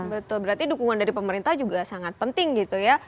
betul berarti dukungan dari pemerintah juga sangat penting gitu ya